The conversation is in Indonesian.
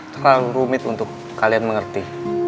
terlalu rumit untuk kalian mengerti